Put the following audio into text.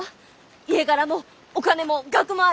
家柄もお金も学もある！